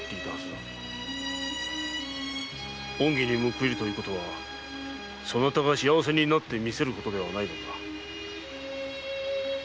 恩義に報いるとはそなたが幸せになってみせることではないのか？